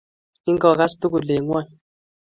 I-ngogas tugul eng' ng'ony!